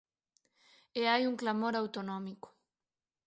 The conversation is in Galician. E hai un clamor autonómico.